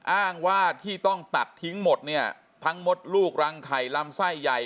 อ้างว่าที่ต้องตัดทิ้งหมดเนี่ยทั้งมดลูกรังไข่ลำไส้ใหญ่